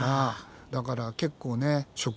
だから結構ね植物